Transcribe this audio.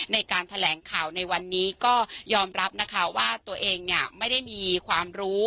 ในการแถลงข่าวในวันนี้ก็ยอมรับนะคะว่าตัวเองเนี่ยไม่ได้มีความรู้